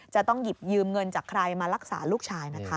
จะต้องหยิบยืมเงินจากใครมารักษาลูกชายนะคะ